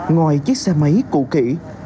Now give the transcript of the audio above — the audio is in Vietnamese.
ngoài chiếc xe máy cụ kỷ